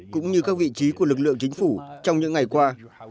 cũng như các vị trí của lực lượng chính phủ trong những ngày qua